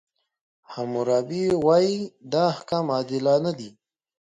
حموربي وایي، دا احکام عادلانه دي.